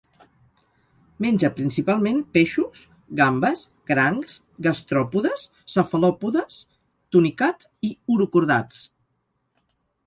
Menja principalment peixos, gambes, crancs, gastròpodes, cefalòpodes, tunicats i urocordats.